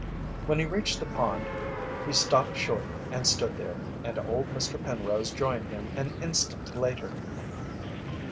When he reached the pond he stopped short and stood there, and old Mr. Penrose joined him an instant later.